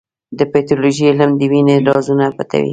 د پیتالوژي علم د وینې رازونه پټوي.